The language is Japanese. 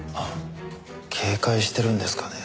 警戒してるんですかね。